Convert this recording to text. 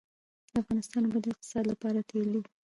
د افغانستان اوبه د اقتصاد لپاره تیل دي